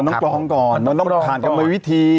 มันต้องกรองก่อนมันต้องผ่านกับบริวิธี